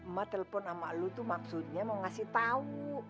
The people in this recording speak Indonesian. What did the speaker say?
ma telepon sama lu tuh maksudnya mau ngasih tau